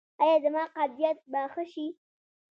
ایا زما قبضیت به ښه شي؟